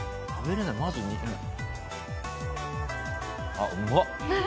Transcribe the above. あっうまっ。